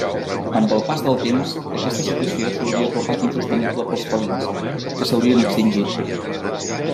Amb el pas del temps, aquesta situació s'hauria tornat insostenible pels felins, que s'haurien extingit.